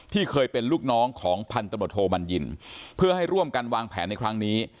เคยเป็นลูกน้องของพันธบทโทบัญญินเพื่อให้ร่วมกันวางแผนในครั้งนี้